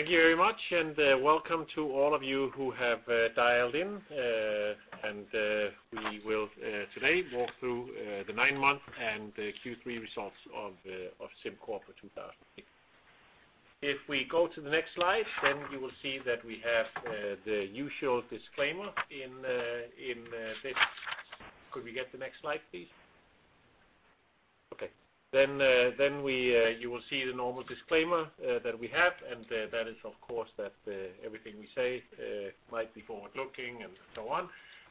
Thank you very much, welcome to all of you who have dialed in. We will today walk through the nine months and Q3 results of SimCorp for 2016. If we go to the next slide, you will see that we have the usual disclaimer in this. Could we get the next slide, please? Okay. You will see the normal disclaimer that we have, and that is, of course, that everything we say might be forward-looking and so on.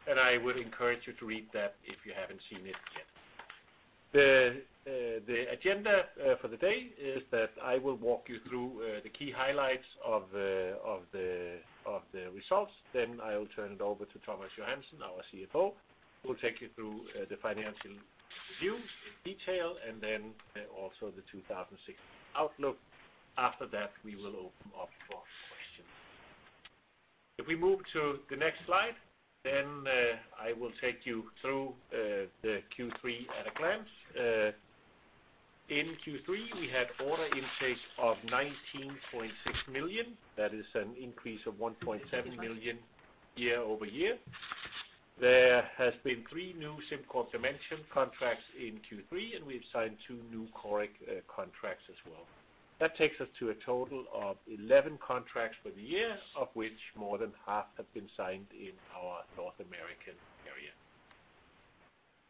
I would encourage you to read that if you haven't seen it yet. The agenda for the day is that I will walk you through the key highlights of the results, then I'll turn it over to Thomas Johansen, our CFO, who will take you through the financial review in detail, and then also the 2016 outlook. After that, we will open up for questions. If we move to the next slide, I will take you through the Q3 at a glance. In Q3, we had order intake of 19.6 million. That is an increase of 1.7 million year-over-year. There has been three new SimCorp Dimension contracts in Q3, and we've signed two new Coric contracts as well. That takes us to a total of 11 contracts for the year, of which more than half have been signed in our North American area.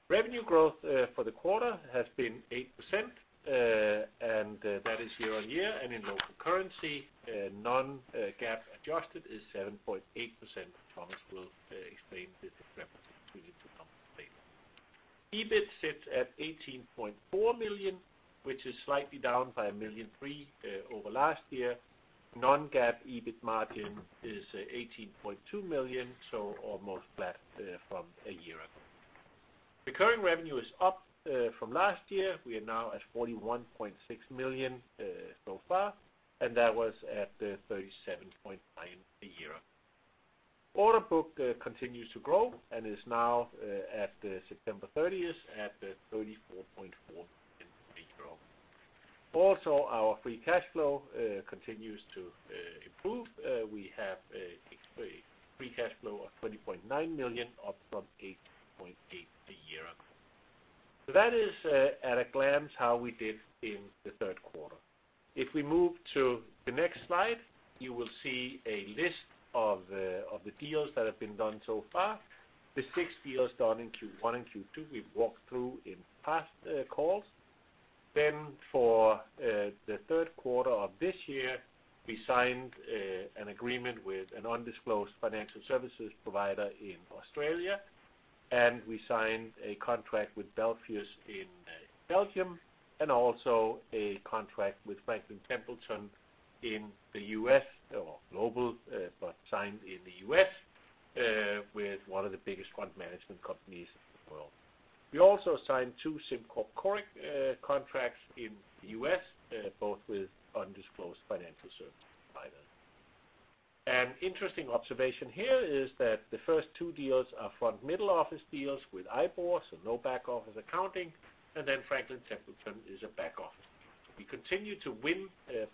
Revenue growth for the quarter has been 8%, and that is year-on-year and in local currency, non-GAAP adjusted is 7.8%. Thomas will explain the discrepancy between the two numbers later. EBIT sits at 18.4 million, which is slightly down by 1.3 million over last year. Non-GAAP EBIT margin is 18.2 million, so almost flat from a year ago. Recurring revenue is up from last year. We are now at 41.6 million so far, that was at 37.9 a year ago. Order book continues to grow and is now at the September 30th at 34.4 in revenue. Our free cash flow continues to improve. We have a free cash flow of 20.9 million, up from 8.8 a year ago. That is at a glance how we did in the third quarter. If we move to the next slide, you will see a list of the deals that have been done so far. The six deals done in Q1 and Q2, we've walked through in past calls. For the third quarter of this year, we signed an agreement with an undisclosed financial services provider in Australia, we signed a contract with Belfius in Belgium, also a contract with Franklin Templeton in the U.S., or global, but signed in the U.S. with one of the biggest fund management companies in the world. We also signed two SimCorp Coric contracts in the U.S., both with undisclosed financial service providers. An interesting observation here is that the first two deals are front middle office deals with IBOR, so no back office accounting, Franklin Templeton is a back office. We continue to win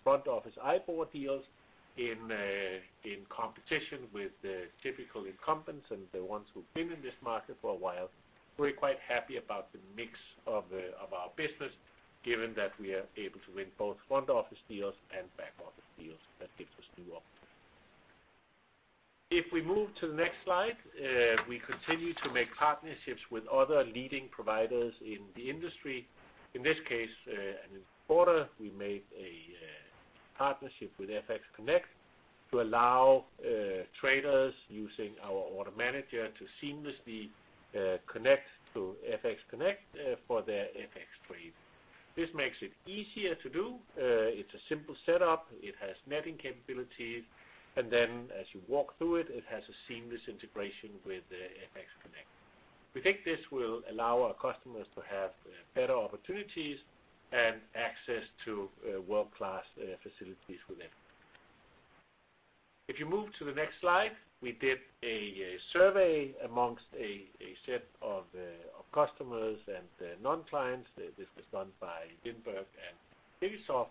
front office IBOR deals in competition with the typical incumbents and the ones who've been in this market for a while. We're quite happy about the mix of our business, given that we are able to win both front office deals and back office deals. That gives us new opportunities. If we move to the next slide, we continue to make partnerships with other leading providers in the industry. In this case, in particular, we made a partnership with FX Connect to allow traders using our order manager to seamlessly connect to FX Connect for their FX trade. This makes it easier to do. It's a simple setup. It has netting capabilities. As you walk through it has a seamless integration with FX Connect. We think this will allow our customers to have better opportunities and access to world-class facilities with FX. If you move to the next slide, we did a survey amongst a set of customers and non-clients. This was done by Danske Bank and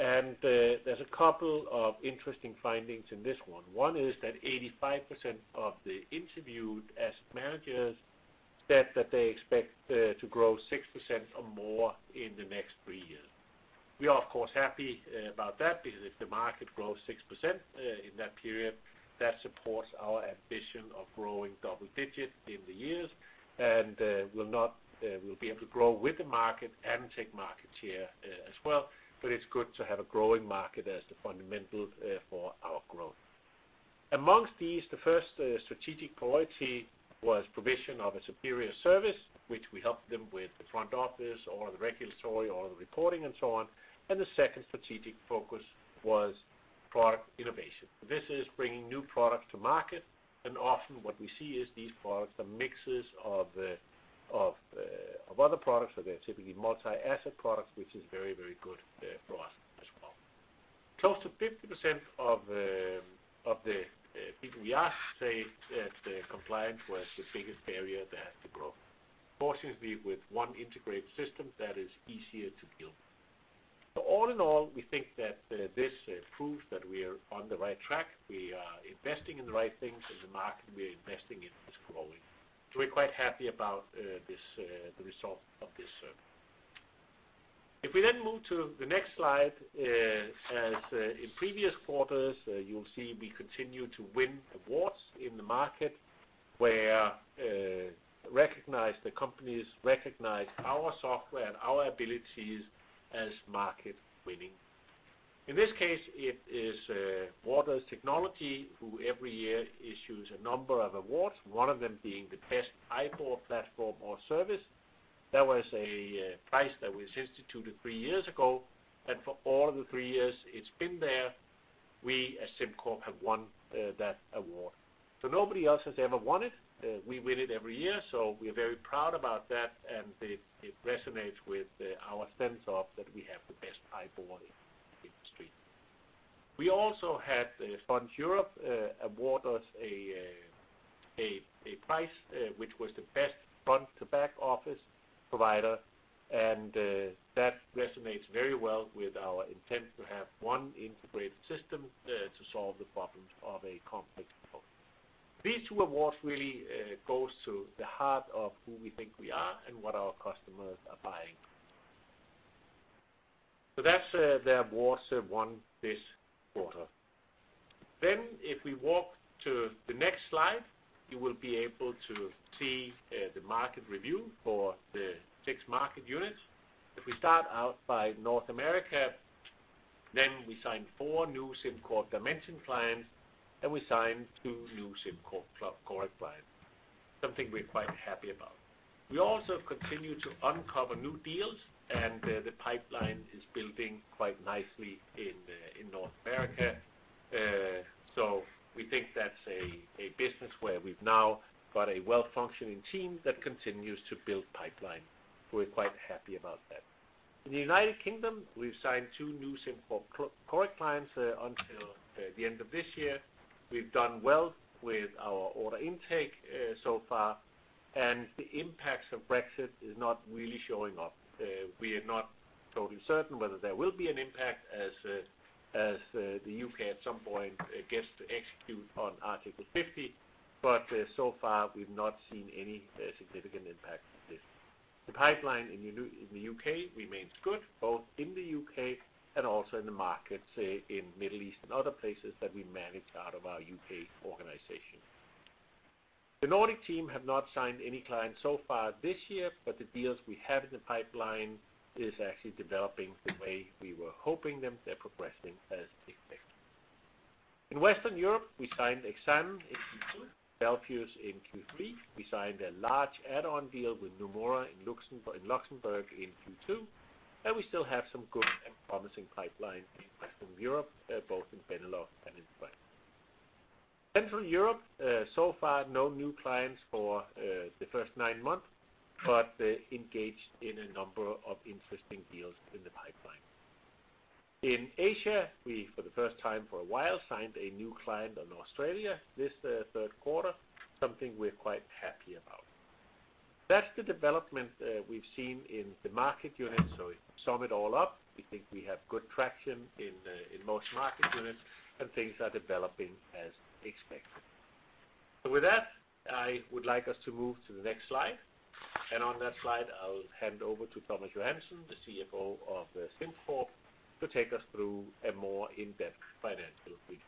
Digisoft. There's a couple of interesting findings in this one. One is that 85% of the interviewed asset managers said that they expect to grow 6% or more in the next three years. We are, of course, happy about that, because if the market grows 6% in that period, that supports our ambition of growing double digits in the years, and we'll be able to grow with the market and take market share as well. It's good to have a growing market as the fundamental for our growth. Amongst these, the first strategic priority was provision of a superior service, which we help them with the front office, all of the regulatory, all of the reporting, and so on. The second strategic focus was product innovation. This is bringing new products to market. Often what we see is these products are mixes of other products. They're typically multi-asset products, which is very good for us as well. Close to 50% of the people we asked say that compliance was the biggest area they have to grow. Fortunately, with one integrated system that is easier to deal with. All in all, we think that this proves that we are on the right track. We are investing in the right things in the market. We are investing, and it's growing. We're quite happy about the result of this survey. If we move to the next slide, as in previous quarters, you'll see we continue to win awards in the market where the companies recognize our software and our abilities as market-winning. In this case, it is WatersTechnology, who every year issues a number of awards, one of them being the best IBOR platform or service. That was a prize that was instituted three years ago, and for all the three years it's been there, we at SimCorp have won that award. Nobody else has ever won it. We win it every year, we are very proud about that, and it resonates with our sense of that we have the best IBOR in the industry. We also had Funds Europe award us a prize, which was the best front-to-back office provider, and that resonates very well with our intent to have one integrated system to solve the problems of a complex problem. These two awards really goes to the heart of who we think we are and what our customers are buying. That's the awards that won this quarter. If we walk to the next slide, you will be able to see the market review for the six market units. We start out by North America, we signed four new SimCorp Dimension clients, we signed two new SimCorp Coric clients. Something we're quite happy about. We also continue to uncover new deals, the pipeline is building quite nicely in North America. We think that's a business where we've now got a well-functioning team that continues to build pipeline. We're quite happy about that. In the U.K., we've signed two new SimCorp Coric clients until the end of this year. We've done well with our order intake so far, the impacts of Brexit is not really showing up. We are not totally certain whether there will be an impact as the U.K. at some point gets to execute on Article 50, so far we've not seen any significant impact of this. The pipeline in the U.K. remains good, both in the U.K. and also in the markets in Middle East and other places that we manage out of our U.K. organization. The Nordic team have not signed any clients so far this year, the deals we have in the pipeline is actually developing the way we were hoping them. They're progressing as expected. In Western Europe, we signed Exane in Q2, Belfius in Q3. We signed a large add-on deal with Nomura in Luxembourg in Q2, we still have some good and promising pipeline in Western Europe, both in Benelux and in France. Central Europe, so far, no new clients for the first nine months, engaged in a number of interesting deals in the pipeline. In Asia, we, for the first time in a while, signed a new client in Australia this third quarter, something we're quite happy about. That's the development we've seen in the market units. To sum it all up, we think we have good traction in most market units, things are developing as expected. With that, I would like us to move to the next slide. On that slide, I'll hand over to Thomas Johansen, the CFO of SimCorp, to take us through a more in-depth financial review.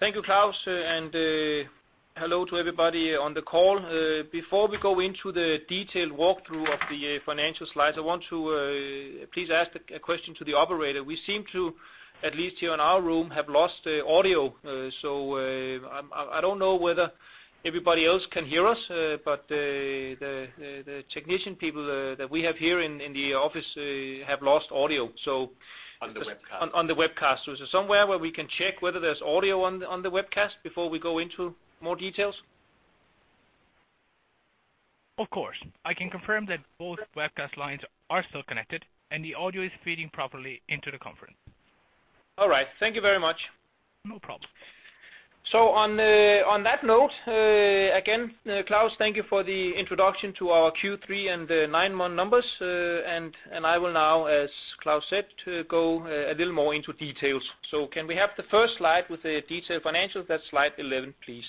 Thank you, Klaus, hello to everybody on the call. Before we go into the detailed walkthrough of the financial slides, I want to please ask a question to the operator. We seem to, at least here in our room, have lost the audio. I don't know whether everybody else can hear us, the technician people that we have here in the office have lost audio. On the webcast. On the webcast. Is there somewhere where we can check whether there's audio on the webcast before we go into more details? Of course. I can confirm that both webcast lines are still connected, and the audio is feeding properly into the conference. All right. Thank you very much. No problem. On that note, again, Klaus, thank you for the introduction to our Q3 and the nine-month numbers. I will now, as Klaus said, go a little more into details. Can we have the first slide with the detailed financials? That's slide 11, please.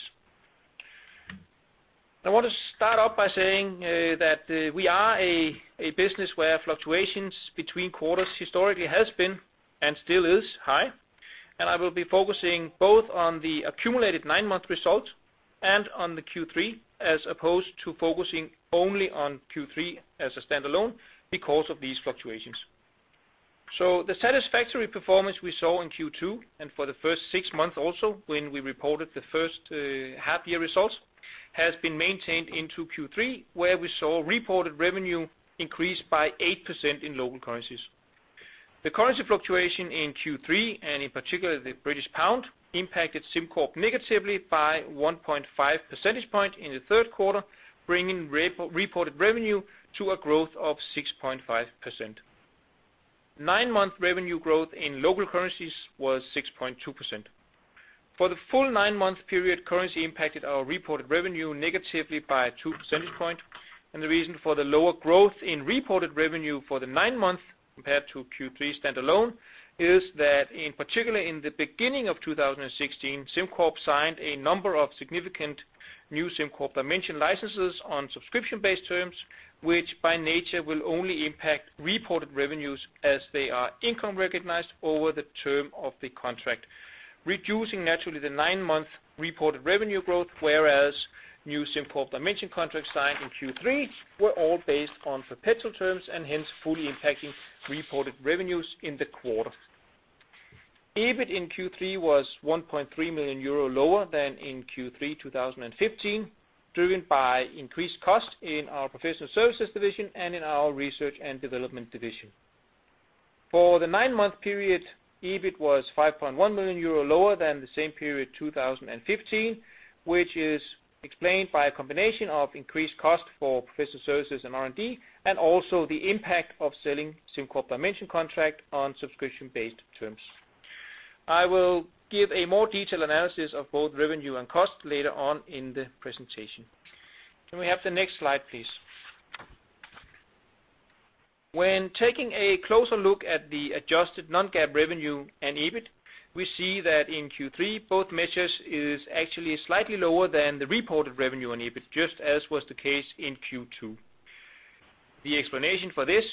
I want to start off by saying that we are a business where fluctuations between quarters historically has been and still is high, and I will be focusing both on the accumulated nine-month result and on the Q3, as opposed to focusing only on Q3 as a standalone because of these fluctuations. The satisfactory performance we saw in Q2, and for the first six months also when we reported the first half-year results, has been maintained into Q3, where we saw reported revenue increase by 8% in local currencies. The currency fluctuation in Q3, and in particular the British pound, impacted SimCorp negatively by 1.5 percentage point in the third quarter, bringing reported revenue to a growth of 6.5%. Nine-month revenue growth in local currencies was 6.2%. For the full nine-month period, currency impacted our reported revenue negatively by two percentage points. The reason for the lower growth in reported revenue for the nine months compared to Q3 standalone is that in particular in the beginning of 2016, SimCorp signed a number of significant new SimCorp Dimension licenses on subscription-based terms, which by nature will only impact reported revenues as they are income recognized over the term of the contract, reducing naturally the nine-month reported revenue growth, whereas new SimCorp Dimension contracts signed in Q3 were all based on perpetual terms and hence fully impacting reported revenues in the quarter. EBIT in Q3 was 1.3 million euro lower than in Q3 2015, driven by increased costs in our professional services division and in our research and development division. For the nine-month period, EBIT was 5.1 million euro lower than the same period 2015, which is explained by a combination of increased cost for professional services and R&D, and also the impact of selling SimCorp Dimension contract on subscription-based terms. I will give a more detailed analysis of both revenue and cost later on in the presentation. Can we have the next slide, please? When taking a closer look at the adjusted non-GAAP revenue and EBIT, we see that in Q3 both measures is actually slightly lower than the reported revenue on EBIT, just as was the case in Q2. The explanation for this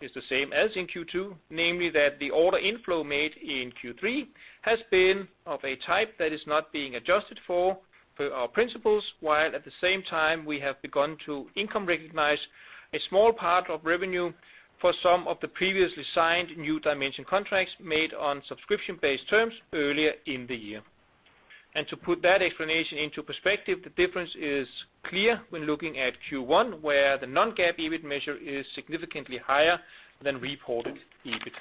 is the same as in Q2, namely that the order inflow made in Q3 has been of a type that is not being adjusted for our principles, while at the same time we have begun to income recognize a small part of revenue for some of the previously signed new Dimension contracts made on subscription-based terms earlier in the year. To put that explanation into perspective, the difference is clear when looking at Q1, where the non-GAAP EBIT measure is significantly higher than reported EBIT.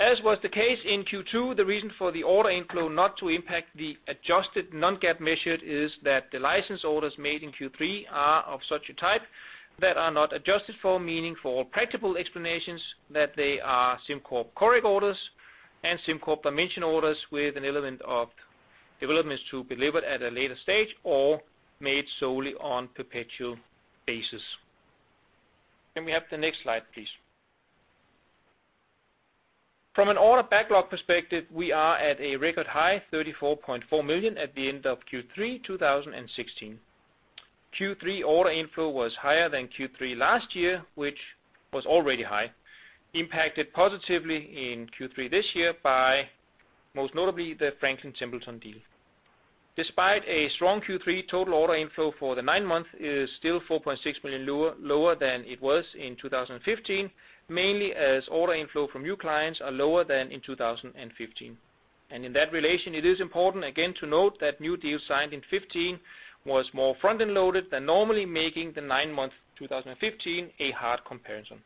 As was the case in Q2, the reason for the order inflow not to impact the adjusted non-GAAP measure is that the license orders made in Q3 are of such a type that are not adjusted for, meaning for practical explanations, that they are SimCorp Coric orders and SimCorp Dimension orders with an element of developments to be delivered at a later stage or made solely on perpetual basis. Can we have the next slide, please? From an order backlog perspective, we are at a record high 34.4 million at the end of Q3 2016. Q3 order inflow was higher than Q3 last year, which was already high, impacted positively in Q3 this year by most notably the Franklin Templeton deal. Despite a strong Q3, total order inflow for the nine months is still 4.6 million lower than it was in 2015, mainly as order inflow from new clients are lower than in 2015. In that relation, it is important again to note that new deals signed in 2015 was more front-end loaded than normally making the nine months 2015 a hard comparison.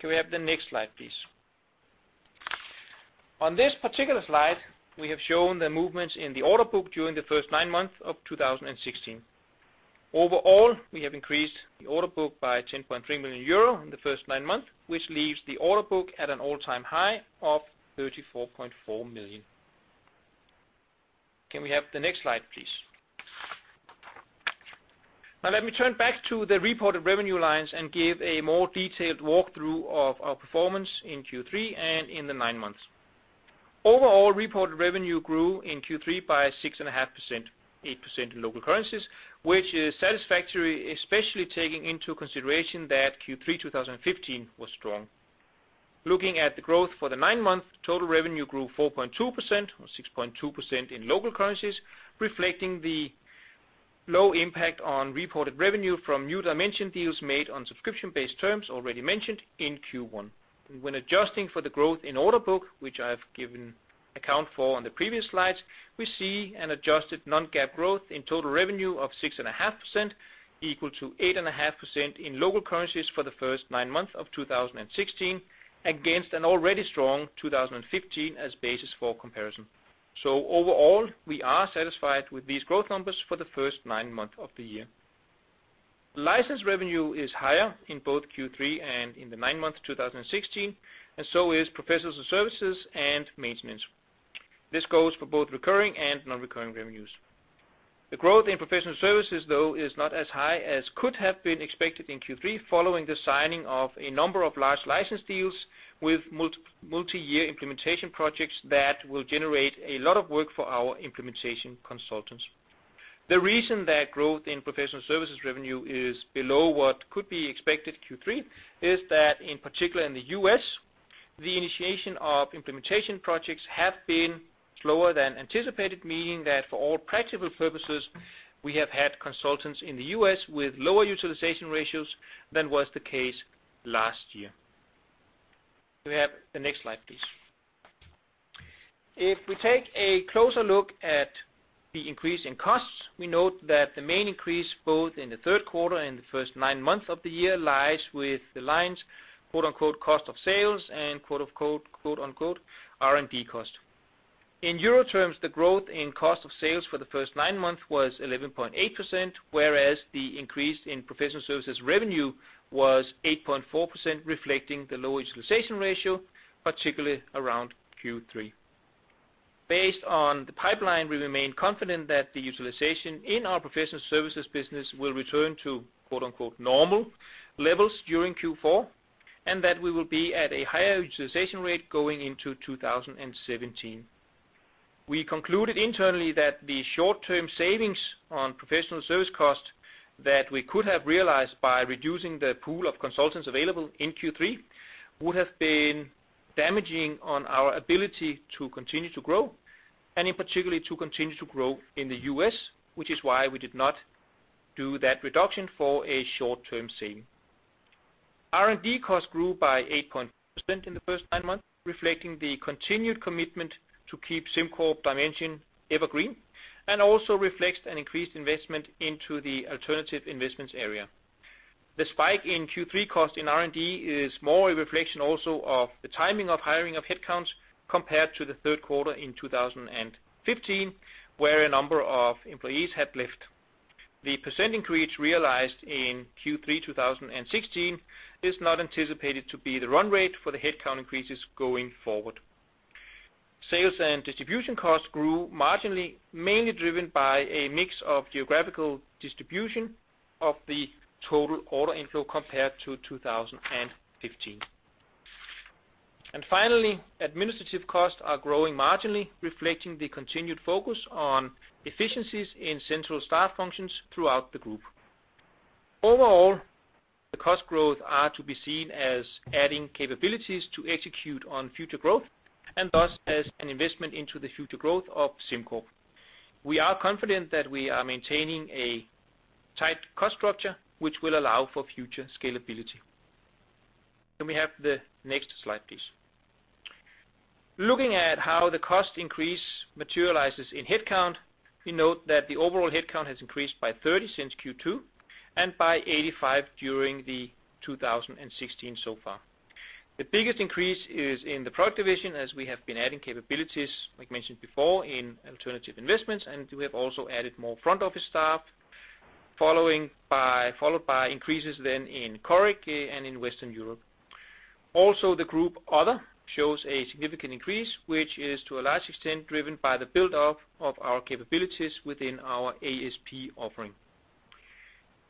Can we have the next slide, please? On this particular slide, we have shown the movements in the order book during the first nine months of 2016. Overall, we have increased the order book by 10.3 million euro in the first nine months, which leaves the order book at an all-time high of 34.4 million. Can we have the next slide, please? Let me turn back to the reported revenue lines and give a more detailed walkthrough of our performance in Q3 and in the nine months. Overall, reported revenue grew in Q3 by 6.5%, 8% in local currencies, which is satisfactory, especially taking into consideration that Q3 2015 was strong. Looking at the growth for the nine months, total revenue grew 4.2% or 6.2% in local currencies, reflecting the low impact on reported revenue from new Dimension deals made on subscription-based terms already mentioned in Q1. When adjusting for the growth in order book, which I've given account for on the previous slides, we see an adjusted non-GAAP growth in total revenue of 6.5%, equal to 8.5% in local currencies for the first nine months of 2016 against an already strong 2015 as basis for comparison. Overall, we are satisfied with these growth numbers for the first nine months of the year. License revenue is higher in both Q3 and in the nine months 2016, and so is professional services and maintenance. This goes for both recurring and non-recurring revenues. The growth in professional services, though, is not as high as could have been expected in Q3, following the signing of a number of large license deals with multi-year implementation projects that will generate a lot of work for our implementation consultants. The reason that growth in professional services revenue is below what could be expected Q3 is that in particular in the U.S., the initiation of implementation projects have been slower than anticipated, meaning that for all practical purposes, we have had consultants in the U.S. with lower utilization ratios than was the case last year. Can we have the next slide, please? If we take a closer look at the increase in costs, we note that the main increase both in the third quarter and the first nine months of the year lies with the lines "cost of sales" and "R&D cost". In EUR terms, the growth in cost of sales for the first nine months was 11.8%, whereas the increase in professional services revenue was 8.4%, reflecting the low utilization ratio, particularly around Q3. Based on the pipeline, we remain confident that the utilization in our professional services business will return to "normal" levels during Q4, and that we will be at a higher utilization rate going into 2017. We concluded internally that the short-term savings on professional service cost that we could have realized by reducing the pool of consultants available in Q3, would have been damaging on our ability to continue to grow, and in particular to continue to grow in the U.S., which is why we did not do that reduction for a short-term saving. R&D costs grew by 8% in the first nine months, reflecting the continued commitment to keep SimCorp Dimension evergreen, and also reflects an increased investment into the alternative investments area. The spike in Q3 cost in R&D is more a reflection also of the timing of hiring of headcounts compared to the third quarter in 2015, where a number of employees had left. The % increase realized in Q3, 2016 is not anticipated to be the run rate for the headcount increases going forward. Sales and distribution costs grew marginally, mainly driven by a mix of geographical distribution of the total order inflow compared to 2015. Finally, administrative costs are growing marginally, reflecting the continued focus on efficiencies in central staff functions throughout the group. Overall, the cost growth are to be seen as adding capabilities to execute on future growth, and thus as an investment into the future growth of SimCorp. We are confident that we are maintaining a tight cost structure, which will allow for future scalability. Can we have the next slide, please? Looking at how the cost increase materializes in headcount, we note that the overall headcount has increased by 30 since Q2 and by 85 during the 2016 so far. The biggest increase is in the product division, as we have been adding capabilities, like mentioned before, in alternative investments, and we have also added more front office staff, followed by increases then in Coric and in Western Europe. The group other shows a significant increase, which is to a large extent driven by the build-up of our capabilities within our ASP offering.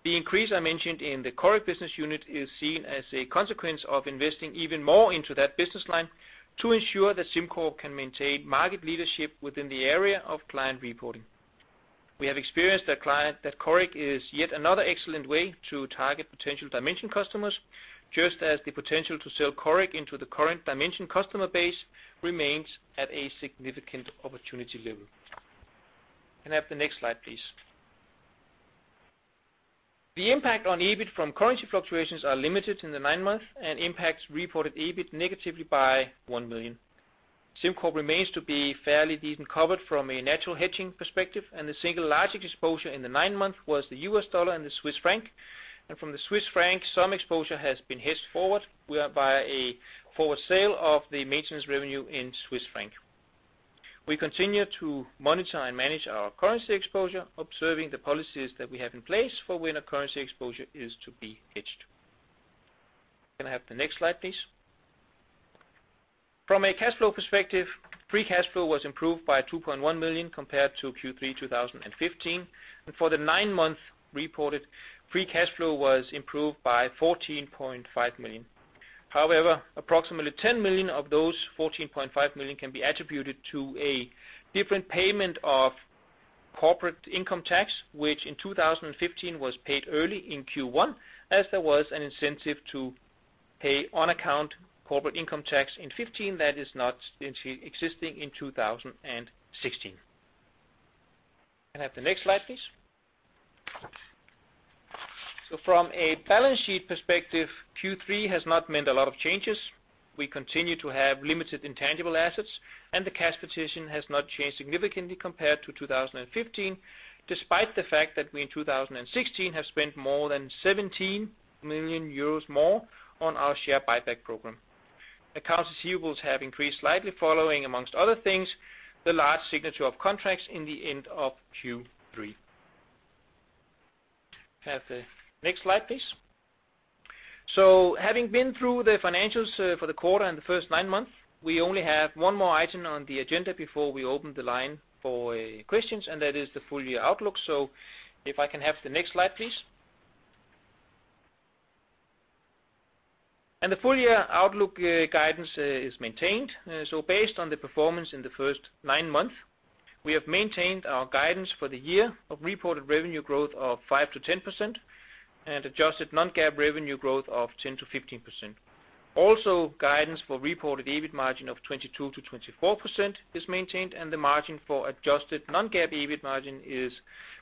The increase I mentioned in the Coric business unit is seen as a consequence of investing even more into that business line to ensure that SimCorp can maintain market leadership within the area of client reporting. We have experienced that Coric is yet another excellent way to target potential Dimension customers, just as the potential to sell Coric into the current Dimension customer base remains at a significant opportunity level. Can I have the next slide, please? The impact on EBIT from currency fluctuations are limited in the nine months and impacts reported EBIT negatively by 1 million. SimCorp remains to be fairly decent covered from a natural hedging perspective, and the single largest exposure in the nine months was the US dollar and the Swiss franc, and from the Swiss franc some exposure has been hedged forward via a forward sale of the maintenance revenue in Swiss franc. We continue to monitor and manage our currency exposure, observing the policies that we have in place for when a currency exposure is to be hedged. Can I have the next slide, please? From a cash flow perspective, free cash flow was improved by 2.1 million compared to Q3 2015. For the nine months reported, free cash flow was improved by 14.5 million. However, approximately 10 million of those 14.5 million can be attributed to a different payment of corporate income tax, which in 2015 was paid early in Q1, as there was an incentive to pay on account corporate income tax in 2015 that is not existing in 2016. Can I have the next slide, please? From a balance sheet perspective, Q3 has not meant a lot of changes. We continue to have limited intangible assets, and the cash position has not changed significantly compared to 2015, despite the fact that we, in 2016, have spent more than 17 million euros more on our share buyback program. Accounts receivables have increased slightly following, amongst other things, the large signature of contracts in the end of Q3. Can I have the next slide, please? Having been through the financials for the quarter and the first nine months, we only have one more item on the agenda before we open the line for questions, and that is the full year outlook. If I can have the next slide, please. The full year outlook guidance is maintained. Based on the performance in the first nine months, we have maintained our guidance for the year of reported revenue growth of 5%-10% and adjusted non-GAAP revenue growth of 10%-15%. Guidance for reported EBIT margin of 22%-24% is maintained, and the margin for adjusted non-GAAP EBIT margin is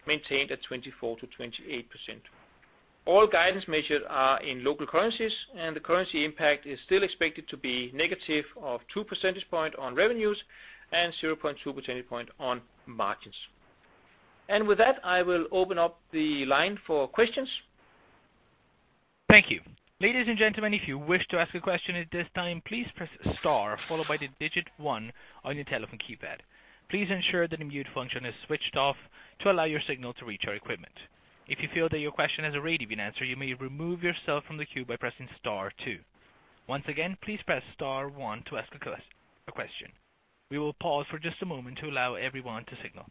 maintained at 24%-28%. All guidance measures are in local currencies, and the currency impact is still expected to be negative of two percentage point on revenues and 0.2 percentage point on margins. With that, I will open up the line for questions. Thank you. Ladies and gentlemen, if you wish to ask a question at this time, please press star followed by the digit 1 on your telephone keypad. Please ensure that the mute function is switched off to allow your signal to reach our equipment. If you feel that your question has already been answered, you may remove yourself from the queue by pressing star 2. Once again, please press star 1 to ask a question. We will pause for just a moment to allow everyone to signal.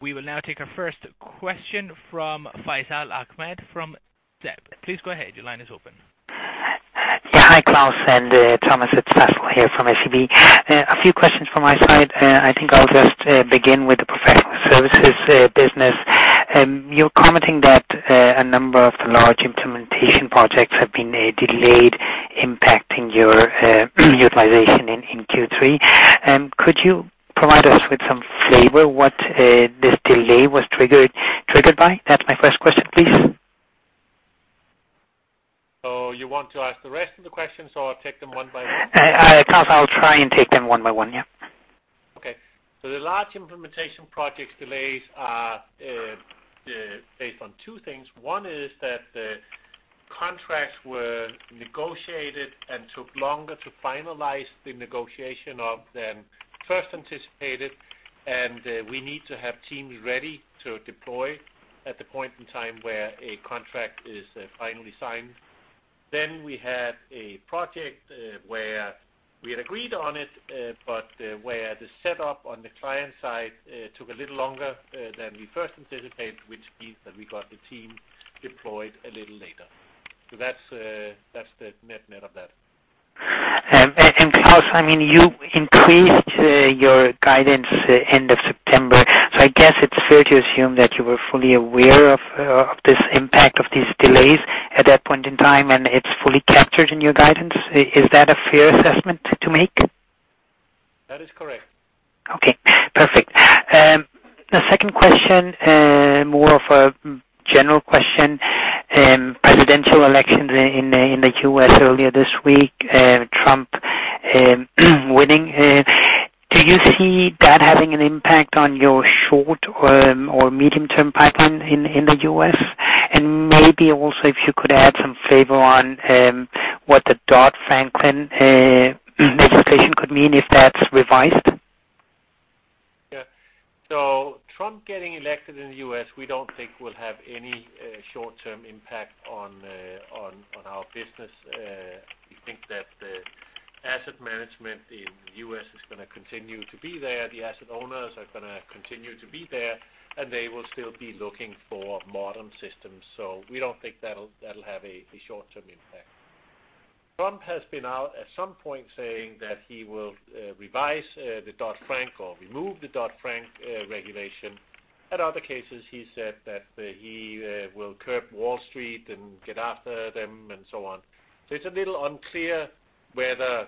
We will now take our first question from Faisal Ahmad from DNB. Please go ahead. Your line is open. Hi, Claus and Thomas. It's Faisal here from SEB. A few questions from my side. I think I'll just begin with the professional services business. You're commenting that a number of the large implementation projects have been delayed, impacting your utilization in Q3. Could you provide us with some flavor what this delay was triggered by? That's my first question, please. You want to ask the rest of the questions, or take them one by one? Klaus, I'll try and take them one by one, yeah. Okay. The large implementation projects delays are based on two things. One is that the contracts were negotiated and took longer to finalize the negotiation of than first anticipated, and we need to have teams ready to deploy at the point in time where a contract is finally signed. We had a project where we had agreed on it, but where the setup on the client side took a little longer than we first anticipated, which means that we got the team deployed a little later. That's the net of that. Klaus, you increased your guidance end of September, so I guess it's fair to assume that you were fully aware of this impact of these delays at that point in time, and it's fully captured in your guidance. Is that a fair assessment to make? That is correct. Okay, perfect. The second question, more of a general question. Presidential elections in the U.S. earlier this week, Trump winning. Do you see that having an impact on your short or medium term pipeline in the U.S.? Maybe also if you could add some flavor on what the Dodd-Frank legislation could mean if that's revised. Yeah. Trump getting elected in the U.S. we don't think will have any short term impact on our business. We think that the asset management in the U.S. is going to continue to be there. The asset owners are going to continue to be there, they will still be looking for modern systems. We don't think that'll have a short term impact. Trump has been out at some point saying that he will revise the Dodd-Frank or remove the Dodd-Frank regulation. At other cases, he said that he will curb Wall Street and get after them, and so on. It's a little unclear whether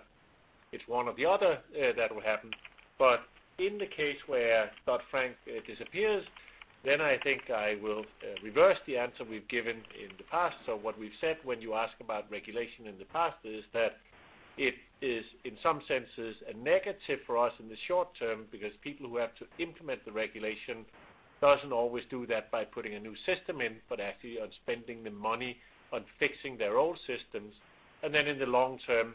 it's one or the other that will happen. In the case where Dodd-Frank disappears, I think I will reverse the answer we've given in the past. What we've said when you ask about regulation in the past is that it is, in some senses, a negative for us in the short term because people who have to implement the regulation don't always do that by putting a new system in, but actually on spending the money on fixing their old systems. In the long term,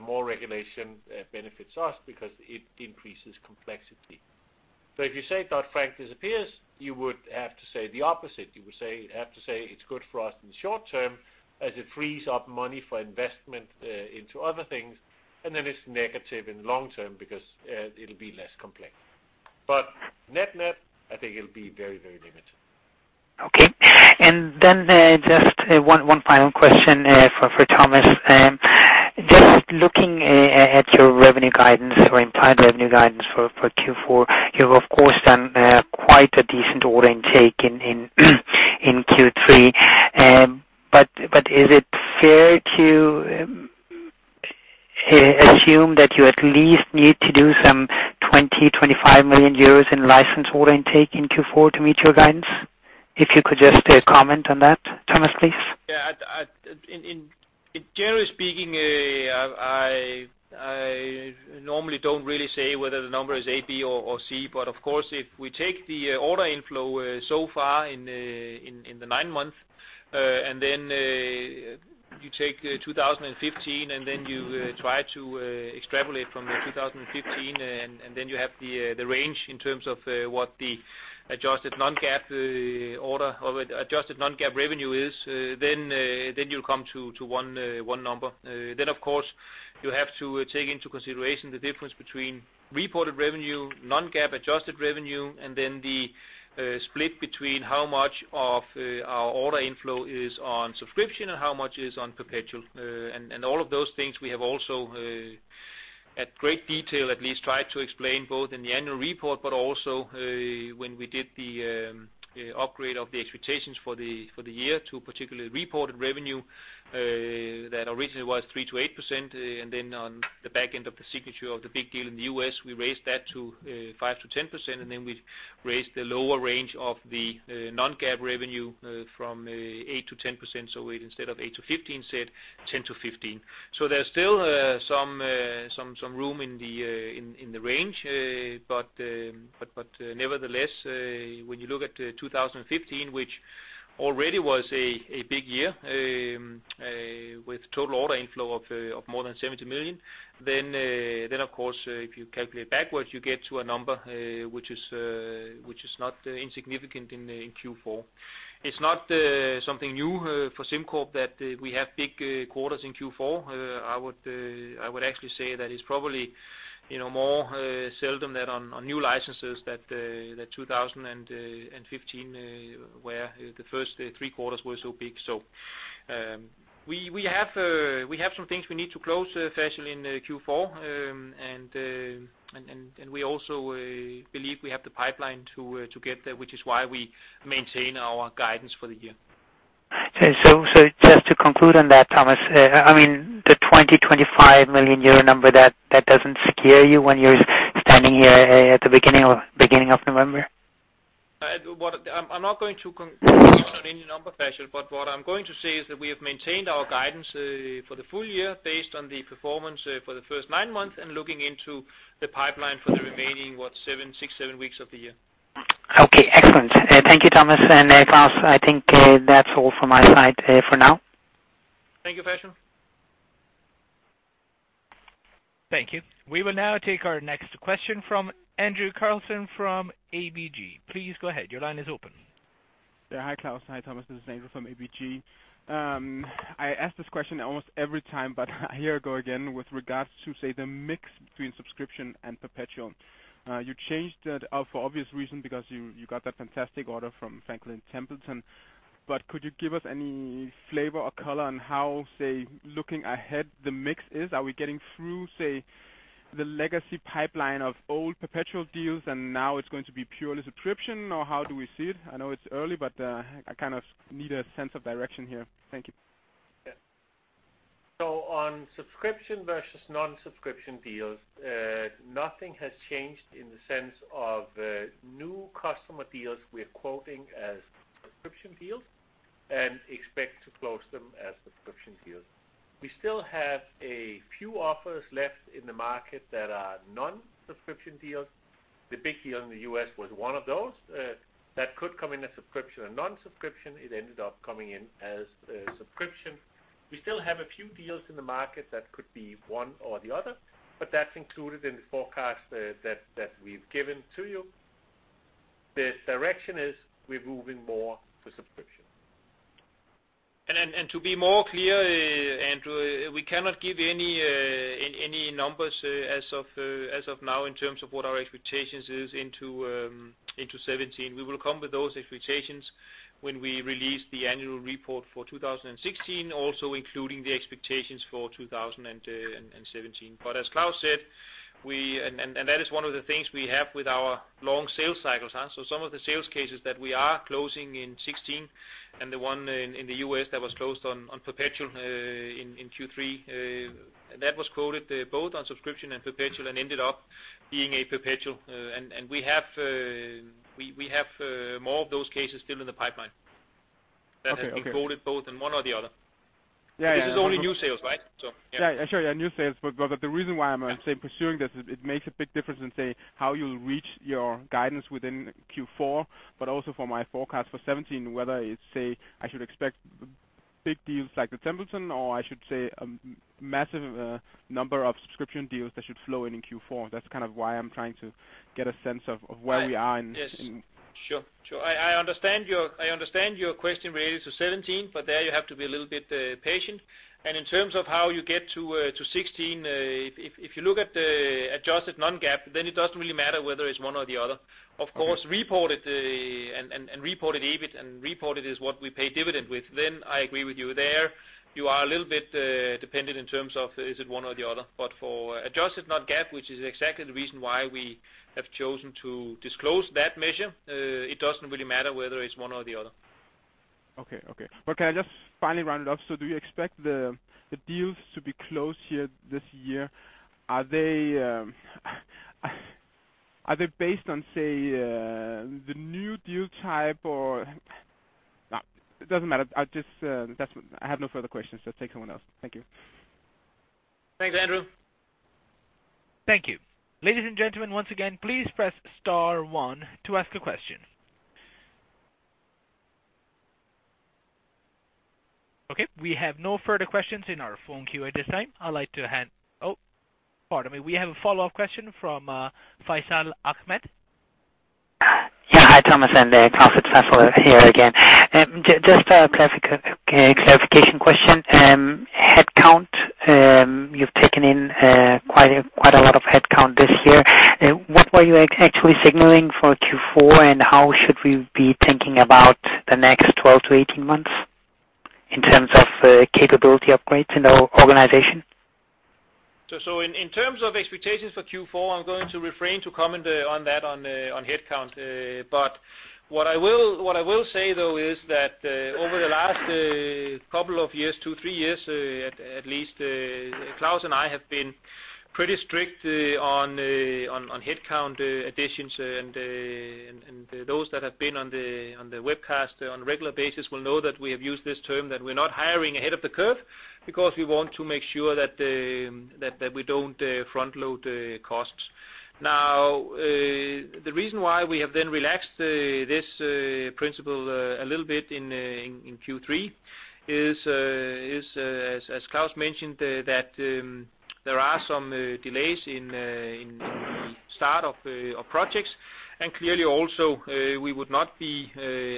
more regulation benefits us because it increases complexity. If you say Dodd-Frank disappears, you would have to say the opposite. You would have to say it's good for us in the short term as it frees up money for investment into other things, it's negative in the long term because it'll be less complex. Net, I think it'll be very limited. Okay. Just one final question for Thomas. Just looking at your revenue guidance or implied revenue guidance for Q4. You've, of course, done quite a decent order intake in Q3. Is it fair to assume that you at least need to do some 20 million-25 million euros in license order intake in Q4 to meet your guidance? If you could just comment on that, Thomas, please. Yeah. Generally speaking, I normally don't really say whether the number is A, B or C. Of course, if we take the order inflow so far in the nine months, you take 2015, you try to extrapolate from the 2015, you have the range in terms of what the adjusted non-GAAP revenue is, you'll come to one number. Of course, you have to take into consideration the difference between reported revenue, non-GAAP adjusted revenue, and the split between how much of our order inflow is on subscription and how much is on perpetual. All of those things we have also at great detail at least tried to explain both in the annual report, but also when we did the upgrade of the expectations for the year to particularly reported revenue that originally was 3%-8%, and on the back end of the signature of the big deal in the U.S., we raised that to 5%-10%, we raised the lower range of the non-GAAP revenue from 8%-10%. Instead of 8%-15%, said 10%-15%. There's still some room in the range. Nevertheless, when you look at 2015, which Already was a big year with total order inflow of more than 70 million. Of course, if you calculate backwards, you get to a number which is not insignificant in Q4. It's not something new for SimCorp that we have big quarters in Q4. I would actually say that it's probably more seldom that on new licenses that 2015 where the first three quarters were so big. We have some things we need to close, Faisal, in Q4, and we also believe we have the pipeline to get there, which is why we maintain our guidance for the year. Okay. Just to conclude on that, Thomas, the 20 million-25 million euro number, that doesn't scare you when you're standing here at the beginning of November? I'm not going to comment on any number, Faisal, but what I'm going to say is that we have maintained our guidance for the full year based on the performance for the first nine months and looking into the pipeline for the remaining, what, six, seven weeks of the year. Okay. Excellent. Thank you, Thomas and Klaus. I think that's all from my side for now. Thank you, Faisal. Thank you. We will now take our next question from Andrew Carlson from ABG. Please go ahead. Your line is open. Yeah. Hi, Klaus. Hi, Thomas. This is Andrew from ABG. I ask this question almost every time. Here I go again with regards to, say, the mix between subscription and perpetual. You changed that out for obvious reason because you got that fantastic order from Franklin Templeton. Could you give us any flavor or color on how, say, looking ahead, the mix is? Are we getting through, say, the legacy pipeline of old perpetual deals and now it's going to be purely subscription, or how do we see it? I know it's early. I kind of need a sense of direction here. Thank you. Yeah. On subscription versus non-subscription deals, nothing has changed in the sense of new customer deals we're quoting as subscription deals and expect to close them as subscription deals. We still have a few offers left in the market that are non-subscription deals. The big deal in the U.S. was one of those that could come in as subscription or non-subscription. It ended up coming in as a subscription. We still have a few deals in the market that could be one or the other, but that's included in the forecast that we've given to you. The direction is we're moving more to subscription. To be more clear, Andrew, we cannot give any numbers as of now in terms of what our expectations are into 2017. We will come with those expectations when we release the annual report for 2016, also including the expectations for 2017. As Klaus said, and that is one of the things we have with our long sales cycles. Some of the sales cases that we are closing in 2016 and the one in the U.S. that was closed on perpetual in Q3, that was quoted both on subscription and perpetual and ended up being a perpetual. We have more of those cases still in the pipeline. Okay. That have been quoted both in one or the other. Yeah. This is only new sales, right? Yeah. Yeah, sure. New sales. The reason why I'm pursuing this is it makes a big difference in, say, how you'll reach your guidance within Q4, but also for my forecast for 2017, whether it's, say, I should expect big deals like the Templeton or I should say a massive number of subscription deals that should flow in in Q4. That's kind of why I'm trying to get a sense of where we are in. Yes. Sure. I understand your question relates to 2017, there you have to be a little bit patient. In terms of how you get to 2016, if you look at the adjusted non-GAAP, then it doesn't really matter whether it's one or the other. Okay. Of course, reported and reported EBIT and reported is what we pay dividend with. I agree with you there. You are a little bit dependent in terms of is it one or the other. For adjusted non-GAAP, which is exactly the reason why we have chosen to disclose that measure, it doesn't really matter whether it's one or the other. Can I just finally round it up? Do you expect the deals to be closed here this year? Are they based on, say, the new deal type? No, it doesn't matter. I have no further questions, take someone else. Thank you. Thanks, Andrew. Thank you. Ladies and gentlemen, once again, please press star one to ask a question. We have no further questions in our phone queue at this time. Oh, pardon me. We have a follow-up question from Faisal Ahmad. Hi, Thomas and Klaus. It's Faisal here again. Just a clarification question. Headcount. You've taken in quite a lot of headcount this year. What were you actually signaling for Q4, and how should we be thinking about the next 12-18 months in terms of capability upgrades in the organization? In terms of expectations for Q4, I'm going to refrain to comment on that on headcount. What I will say, though, is that over the last couple of years, two, three years at least, Klaus and I have been pretty strict on headcount additions, and those that have been on the webcast on a regular basis will know that we have used this term, that we're not hiring ahead of the curve because we want to make sure that we don't front-load costs. The reason why we have then relaxed this principle a little bit in Q3 is, as Klaus mentioned, that there are some delays in the start of projects. Clearly also, we would not be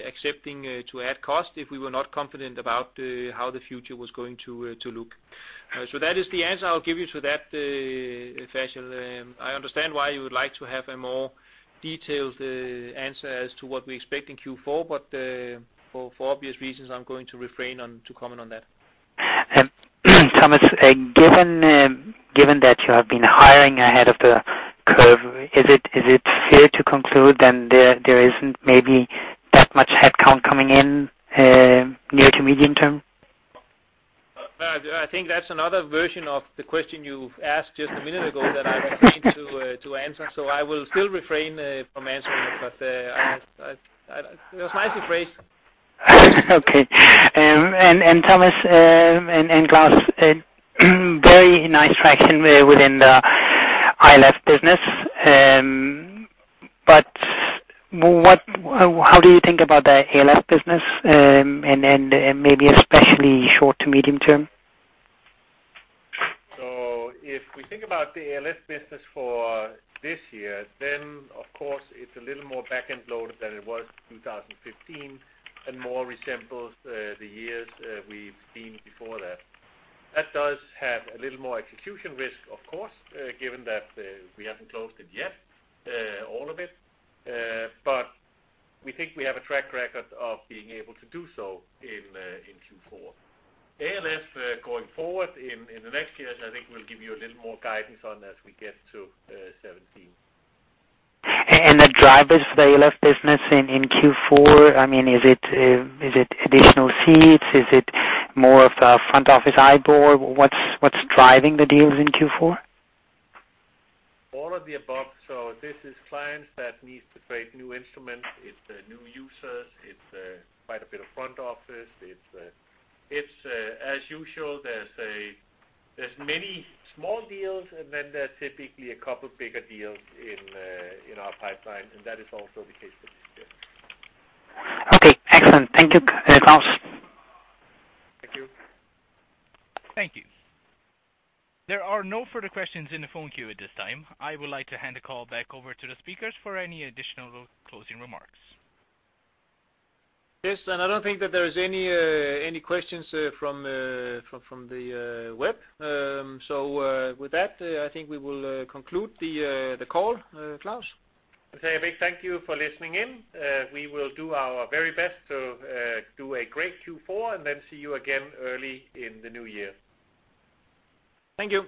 accepting to add cost if we were not confident about how the future was going to look. That is the answer I'll give you to that, Faisal. I understand why you would like to have a more detailed answer as to what we expect in Q4, for obvious reasons, I'm going to refrain to comment on that. Thomas, given that you have been hiring ahead of the curve, is it fair to conclude there isn't maybe that much headcount coming in near to medium term? I think that's another version of the question you asked just a minute ago that I was looking to answer, I will still refrain from answering it was nicely phrased. Okay. Thomas and Klaus, very nice traction within the ILF business. How do you think about the ILF business, and maybe especially short to medium term? If we think about the ILF business for this year, then of course it's a little more back-end loaded than it was 2015 and more resembles the years we've seen before that. That does have a little more execution risk, of course, given that we haven't closed it yet, all of it. We think we have a track record of being able to do so in Q4. ILF going forward in the next years, I think we'll give you a little more guidance on that as we get to 2017. The drivers for the ILF business in Q4, is it additional seats? Is it more of a front-office IBOR? What's driving the deals in Q4? All of the above. This is clients that needs to create new instruments. It's new users. It's quite a bit of front office. As usual, there's many small deals, and then there's typically a couple bigger deals in our pipeline, and that is also the case for this year. Okay. Excellent. Thank you, Klaus. Thank you. Thank you. There are no further questions in the phone queue at this time. I would like to hand the call back over to the speakers for any additional closing remarks. Yes, I don't think that there's any questions from the web. With that, I think we will conclude the call. Klaus? A big thank you for listening in. We will do our very best to do a great Q4, and then see you again early in the new year. Thank you.